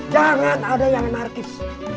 jangan ada yang narkis